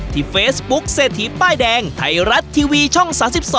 ที่เฟสบุ๊คเสทีป้ายแดงไทรัตทีวีช่อง๓๒